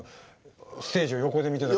ステージを横で見てた時。